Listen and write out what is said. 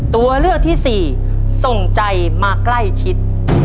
ตัวเลือกที่สี่ส่งใจมาใกล้ชิด